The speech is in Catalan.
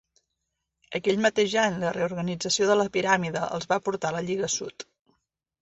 Aquell mateix any la reorganització de la piràmide els va portar al la Lliga sud.